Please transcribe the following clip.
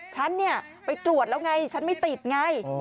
ฉันเนี่ยไปตรวจแล้วไงฉันไม่ติดไง